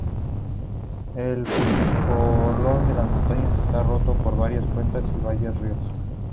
Ese espolón de montañas está roto por varias cuencas y valles de ríos.